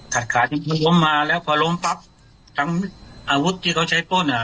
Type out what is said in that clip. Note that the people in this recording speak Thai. ขาที่มันล้มมาแล้วพอล้มปั๊บทั้งอาวุธที่เขาใช้ป้นอ่ะ